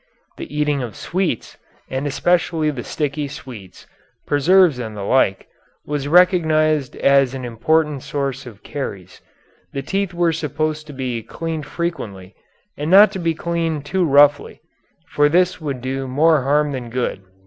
The eating of sweets, and especially the sticky sweets preserves and the like was recognized as an important source of caries. The teeth were supposed to be cleaned frequently, and not to be cleaned too roughly, for this would do more harm than good.